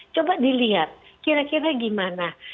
coba dilihat kira kira gimana